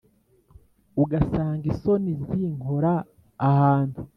Ugasanga isoni zinkora ahantu